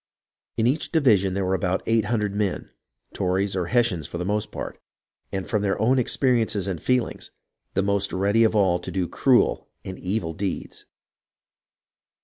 In each division there were about eight hundred men, — Tories or Hessians for the most part, — and from their own experiences and feelings the most ready of all to do cruel and evil deeds.